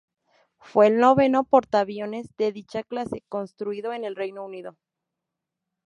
Fue el noveno portaaviones de dicha clase construido en el Reino Unido.